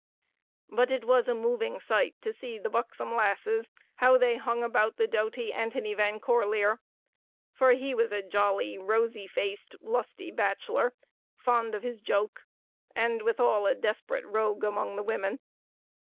But it was a moving sight to see the buxom lasses how they hung about the doughty Antony Van Corlear; for he was a jolly, rosy faced, lusty bachelor, fond of his joke, and withall a desperate rogue among the women.